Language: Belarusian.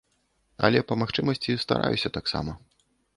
Але па магчымасці стараюся таксама.